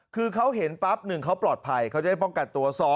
คือเขาเห็นปั๊บ๑เขาปลอดภัยเขาจะได้ป้องกันตัว๒